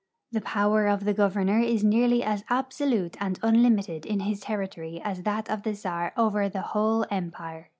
The power of the governor is nearly as absolute and unlimited in his territory as that of the czar over the whole empire.